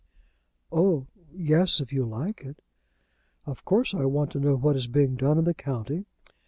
"Oh! yes, if you like it." "Of course I want to know what is being done in the county."